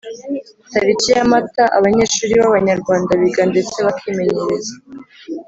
Tariki ya mata abanyeshuri b abanyarwanda biga ndetse bakimenyereza